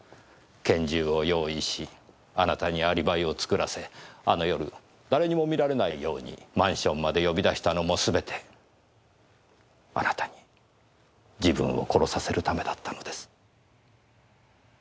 拳銃を用意しあなたにアリバイを作らせあの夜誰にも見られないようにマンションまで呼び出したのもすべてあなたに自分を殺させるためだったのです。